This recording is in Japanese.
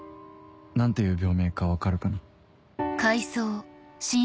何ていう病名か分かるかな？